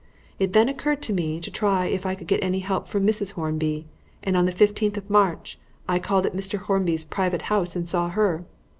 It then occurred to me to try if I could get any help from Mrs. Hornby, and on the fifteenth of March I called at Mr. Hornby's private house and saw her.